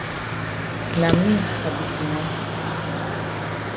Na me I be deny.